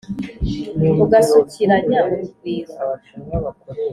ugasukiranya urugwiro